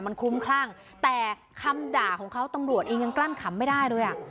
มันคลุ้มคลั่งแต่คำด่าของเขาตำรวจเองยังกลั้นขำไม่ได้เลยอ่ะ